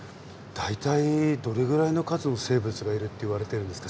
大体どれぐらいの数の生物がいるっていわれてるんですか？